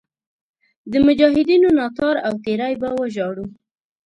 د مجاهدینو ناتار او تېری به وژاړو.